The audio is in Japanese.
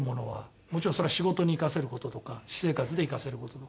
もちろんそれは仕事に生かせる事とか私生活で生かせる事とか。